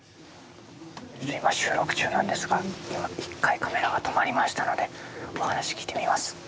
今収録中なんですが今一回カメラが止まりましたのでお話聞いてみます。